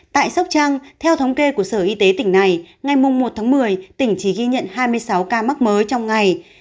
tại sóc trăng theo thống kê của sở y tế tỉnh này ngày một tháng một mươi tỉnh chỉ ghi nhận hai mươi sáu ca mắc mới trong ngày